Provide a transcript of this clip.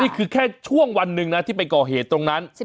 แค่ช่วงวันหนึ่งนะที่ไปก่อเหตุตรงนั้น